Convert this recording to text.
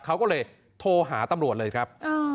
เขาก็เลยโทรหาตำรวจเลยครับ